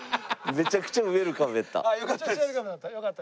めちゃくちゃウェルカムだった。